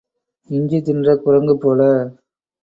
இஞ்சி தின்ற குரங்கு போல.